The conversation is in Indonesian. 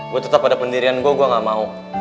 gua tetap pada pendirian gua gua gak mau